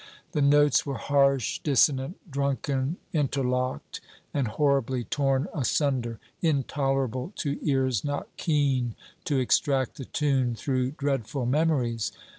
The notes were harsh, dissonant, drunken, interlocked and horribly torn asunder, intolerable to ears not keen to extract the tune through dreadful memories.